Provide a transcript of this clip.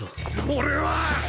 俺は！